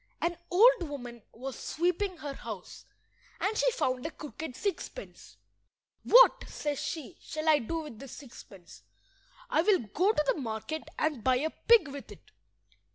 An old woman was sweeping her house, and she found a crooked sixpence. "What," says she, "shall I do with this sixpence? I will go to the market and buy a pig with it."